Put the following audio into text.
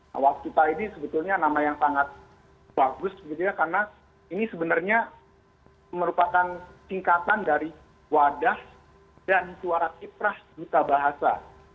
nah waskita ini sebetulnya nama yang sangat bagus karena ini sebenarnya merupakan singkatan dari wadah dan suara kiprah duta bahasa